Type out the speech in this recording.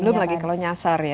belum lagi kalau nyasar ya